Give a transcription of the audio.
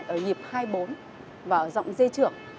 ở nhịp hai mươi bốn và giọng dê trưởng